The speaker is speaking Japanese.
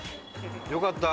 よかった。